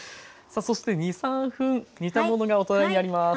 そして２３分煮たものがお隣にあります。